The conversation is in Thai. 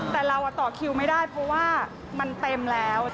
แต่เราต่อคิวไม่ได้เพราะว่ามันเต็มแล้ว